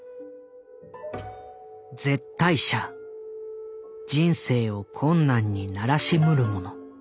「絶対者人生を困難にならしむるもの」。